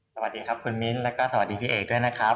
สวัสดีครับคุณมิ้นแล้วก็สวัสดีพี่เอกด้วยนะครับ